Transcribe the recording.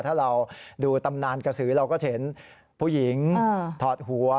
ถ้าเราดูตำนานกระสือเราก็เห็นผู้หญิงถอดหัว